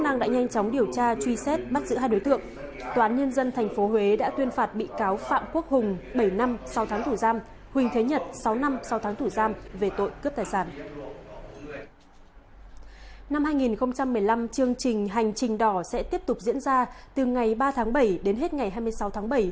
năm hai nghìn một mươi năm chương trình hành trình đỏ sẽ tiếp tục diễn ra từ ngày ba tháng bảy đến hết ngày hai mươi sáu tháng bảy